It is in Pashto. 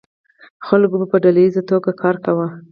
خلکو به په ډله ایزه توګه کار کاوه.